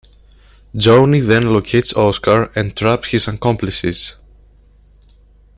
Johnny then locates Oscar and traps his accomplices.